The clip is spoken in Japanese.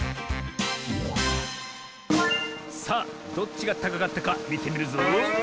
さあどっちがたかかったかみてみるぞ。